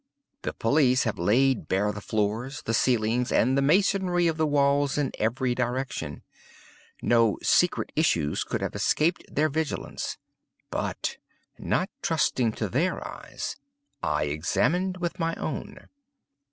The police have laid bare the floors, the ceilings, and the masonry of the walls, in every direction. No secret issues could have escaped their vigilance. But, not trusting to their eyes, I examined with my own.